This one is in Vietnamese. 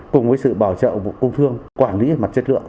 cùng với sự bảo trợ của công thương quản lý về mặt chất lượng